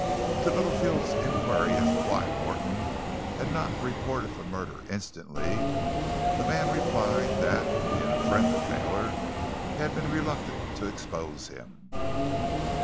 To Littlefield's inquiry as to why Morton had not reported the murder instantly, the man replied that, being a friend to Taylor, he had been reluctant to expose him.